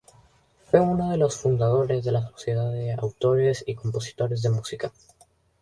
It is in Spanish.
Fue uno de los fundadores de la Sociedad de Autores y Compositores de Música.